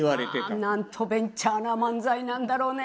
あなんとベンチャーな漫才なんだろうね。